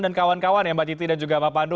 dan kawan kawan ya mbak citi dan juga mbak pandu